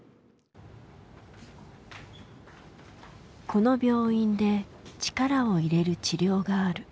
この病院で力を入れる治療がある。